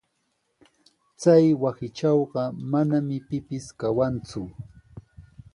Chay wasitrawqa manami pipis kawanku.